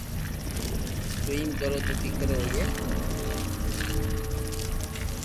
تو ايم ڪرو تو ڪيڪر ھوئي